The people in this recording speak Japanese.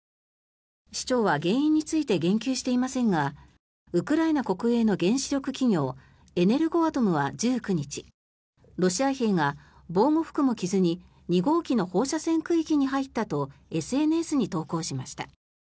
市長は原因について言及していませんがウクライナ国営の原子力企業エネルゴアトムは１９日ロシア兵が防護服も着ずに２号機の放射線区域に入ったとＳＮＳに投稿しました。